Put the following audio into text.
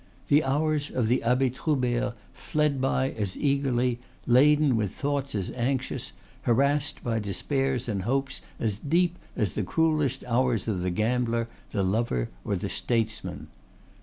The hours of the Abbe Troubert fled by as eagerly, laden with thoughts as anxious, harassed by despairs and hopes as deep as the cruellest hours of the gambler, the lover, or the statesman.